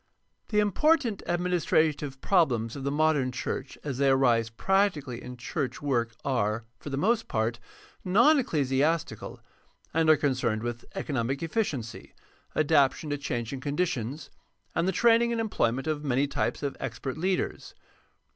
— The important administrative problems of the modem church as they arise practically in church work are, for the most part, non ecclesiastical, and are concerned with economic efficiency, adaptation to changing conditions, and the training and employment of many types of expert leaders.